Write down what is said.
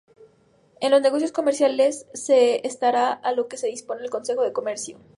En los negocios comerciales se estará a lo que dispone el Código de Comercio.